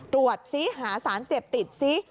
ตรวจซิหาสารเสพติดซิ